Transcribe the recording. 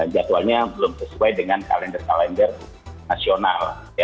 jadwalnya belum sesuai dengan kalender kalender nasional